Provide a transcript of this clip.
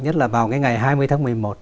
nhất là vào cái ngày hai mươi tháng một mươi một